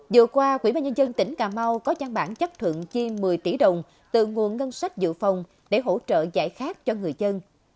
vừa qua quỹ ba nhân dân tỉnh cà mau có trang bản chấp thuận chi một mươi tỷ đồng từ nguồn ngân sách dự phòng để hỗ trợ giải khát cho người dân